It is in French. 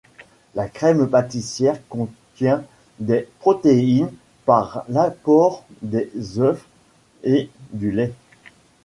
La crème pâtissière contient des protéines, par l'apport des œufs et du lait.